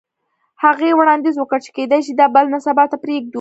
هغې وړاندیز وکړ چې کیدای شي دا بلنه سبا ته پریږدو